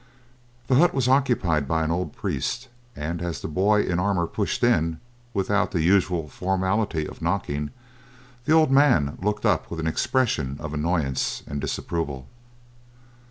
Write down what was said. The hut was occupied by an old priest, and as the boy in armor pushed in, without the usual formality of knocking, the old man looked up with an expression of annoyance and disapproval.